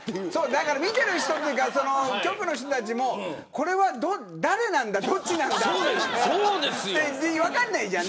見てる人というか局の人たちもこれは誰なんだどっちなんだって分からないじゃん。